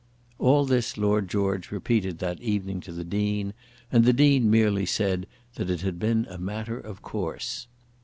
All this Lord George repeated that evening to the Dean, and the Dean merely said that it had been a matter of course.